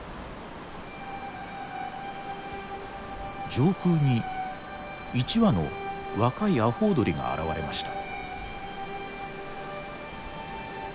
上空に１羽の若いアホウドリが現れました。